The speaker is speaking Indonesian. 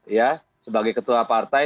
ya sebagai ketua partai